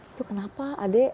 itu kenapa adek